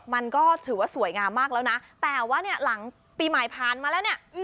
มันก็ถือว่าสวยงามมากแล้วนะแต่ว่าเนี่ยหลังปีใหม่ผ่านมาแล้วเนี่ย